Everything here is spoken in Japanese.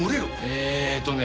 えーっとね